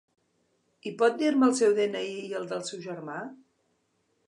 I pot dir-me el seu de-ena-i i el dei seu germà?